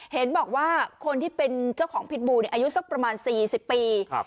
เห็นบอกว่าคนที่เป็นเจ้าของพิษบูอายุสักประมาณ๔๐ปี